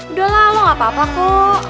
udah lah lo nggak apa apa kok